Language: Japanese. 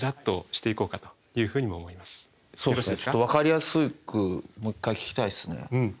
ちょっとわかりやすくもう一回聴きたいっすね。